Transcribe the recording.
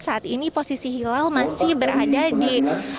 saat ini posisi hilal masih berada di